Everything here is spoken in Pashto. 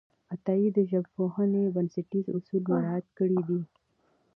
عطایي د ژبپوهنې بنسټیز اصول مراعت کړي دي.